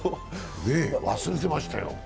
忘れてましたよ。